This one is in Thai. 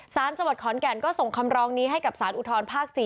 สารจังหวัดขอนแก่นก็ส่งคำร้องนี้ให้กับสารอุทธรภาค๔